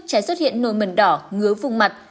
trẻ xuất hiện nồi mần đỏ ngứa vùng mặt